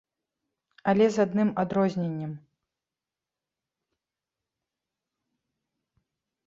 Але з адным адрозненнем.